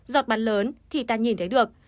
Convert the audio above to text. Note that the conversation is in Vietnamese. giọt bắn lớn thì ta nhìn thấy được